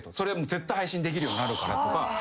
絶対配信できるようになるからとか。